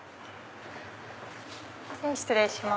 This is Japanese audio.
失礼します。